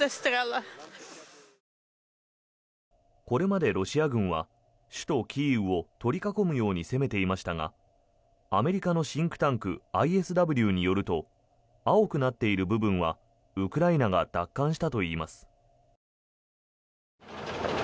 これまでロシア軍は首都キーウを取り囲むように攻めていましたがアメリカのシンクタンクＩＳＷによると青くなっている部分はウクライナが奪還したといいます。